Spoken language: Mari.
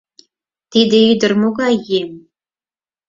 Тиде ӱдыр могай еҥ?